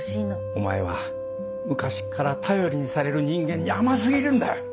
お前は昔から頼りにされる人間に甘過ぎるんだ！